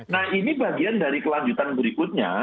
nah ini bagian dari kelanjutan berikutnya